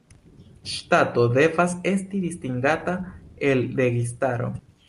Ŝtato devas esti distingata el registaro.